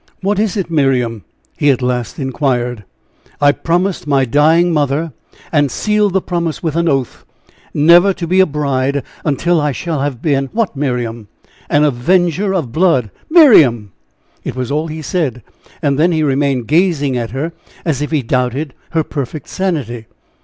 "What is it, Miriam?" he at last inquired. "I promised my dying mother, and sealed the promise with an oath, never to be a bride until I shall have been " "What, Miriam?" "An avenger of blood!" "Miriam!" It was all he said, and then he remained gazing at her, as if he doubted her perfect sanity.